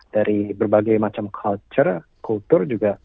dari berbagai macam culture kultur juga